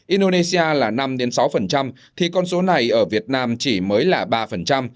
indonesia là năm sáu thì con số này ở việt nam chỉ mới là ba